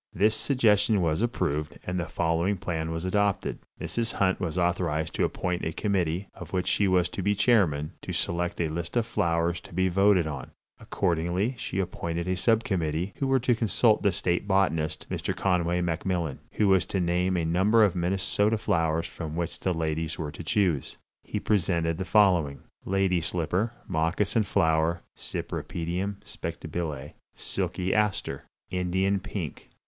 This suggestion was approved, and the following plan was adopted: Mrs. Hunt was authorized to appoint a committee, of which she was to be chairman, to select a list of flowers to be voted on. Accordingly she appointed a subcommittee, who were to consult the state botanist, Mr. Conway MacMillan, who was to name a number of Minnesota flowers from which the ladies were to choose. He presented the following: Lady Slipper (Moccasin Flower Cypripedium Spectabile). Silky Aster. Indian Pink.